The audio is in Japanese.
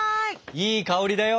いい香りだよ！